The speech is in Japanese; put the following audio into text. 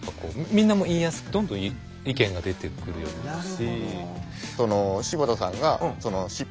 みんなも言いやすくどんどん意見が出てくるようになるし。